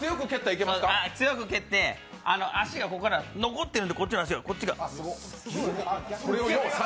強く蹴って、残ってるんで、こっちの足が、こっちが。